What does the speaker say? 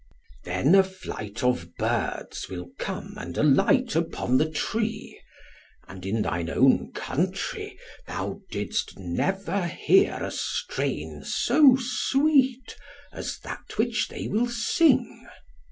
Then a flight of birds will come and alight upon the tree; and in thine own country thou didst never hear a strain so sweet, as that which they will sing.